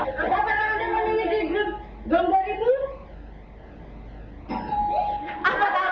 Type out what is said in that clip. apa yang anda memilih di grup